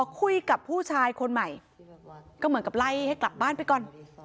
คุยกับผู้ชายคนใหม่ก็เหมือนกับไล่ให้กลับบ้านไปก่อน